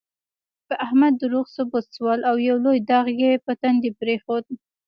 په احمد دروغ ثبوت شول، او یو لوی داغ یې په تندي پرېښود.